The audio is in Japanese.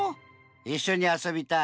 いっしょにあそびたい。